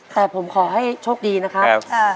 แต่ผมขอให้โชคดีนะครับ